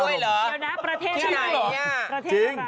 เท่านั้นประเทศไหน